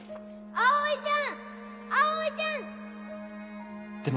葵ちゃん！